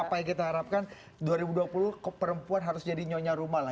apa yang kita harapkan dua ribu dua puluh perempuan harus jadi nyonya rumah lah